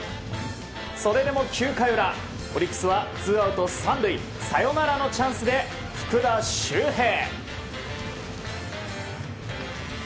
それでも９回裏オリックスはツーアウト３塁サヨナラのチャンスで福田周平。